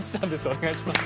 お願いします。